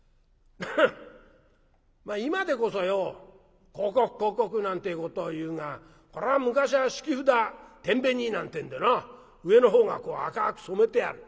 「今でこそよ広告広告なんてことを言うがこれは昔は引き札なんてんでな上の方が赤く染めてある。